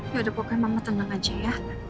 ya udah pokoknya memang tenang aja ya